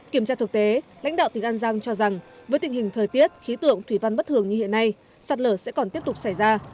kiểm tra thực tế lãnh đạo tỉnh an giang cho rằng với tình hình thời tiết khí tượng thủy văn bất thường như hiện nay sạt lở sẽ còn tiếp tục xảy ra